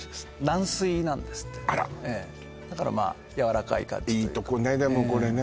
軟水なんですってあらだからやわらかい感じというかいいとこねでもこれね